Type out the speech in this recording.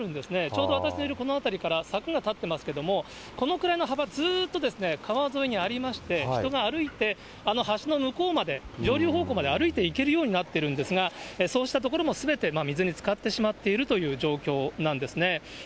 ちょうど私のいるこの辺りから柵が立ってますけど、このくらいの幅、ずっと川沿いにありまして、人が歩いて、あの橋の向こうまで、上流方向まで歩いていけるようになっているんですが、そうした所もすべて水につかってしまっているという状況なんですね。